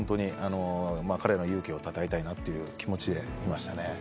彼らの勇気をたたえたいという気持ちで言いました。